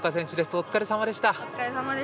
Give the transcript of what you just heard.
お疲れさまでした。